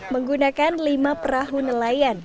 menggunakan lima perahu nelayan